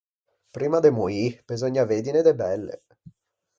Primma de moî beseugna veddine de belle.